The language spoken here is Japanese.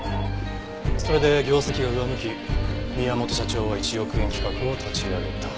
それで業績は上向き宮本社長は一億円企画を立ち上げた。